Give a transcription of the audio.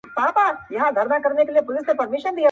پر ګرېوانه دانه دانه شمېرلې -